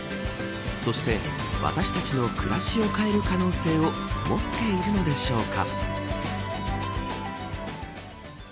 そして、私たちの暮らしを変える可能性を持っているのでしょうか。